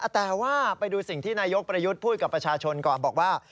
แต่ว่าไปดูสิ่งที่นายกประยุทธ์พูดกับประชาชนก่อนบอกว่า